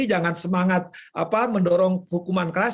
jangan semangat mendorong hukuman keras